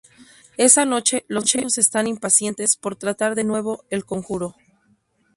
Esa noche, los niños están impacientes por tratar de nuevo el conjuro.